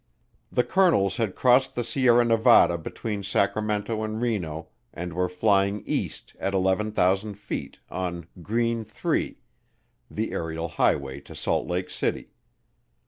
The colonels had crossed the Sierra Nevada between Sacramento and Reno and were flying east at 11,000 feet on "Green 3," the aerial highway to Salt Lake City.